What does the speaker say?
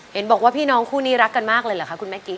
เห็นบอกว่าพี่น้องคู่นี้รักกันมากเลยเหรอคะคุณแม่กิ๊